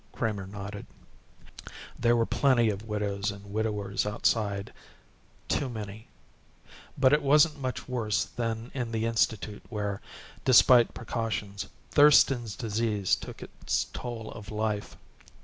Kramer nodded. There were plenty of widows and widowers outside. Too many. But it wasn't much worse than in the Institute where, despite precautions, Thurston's disease took its toll of life.